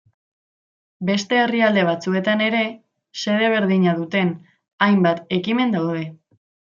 Beste herrialde batzuetan ere, xede berdina duten hainbat ekimen daude.